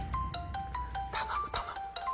頼む頼む！